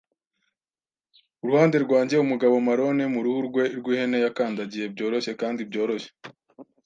uruhande rwanjye umugabo marone mu ruhu rwe rwihene yakandagiye byoroshye kandi byoroshye.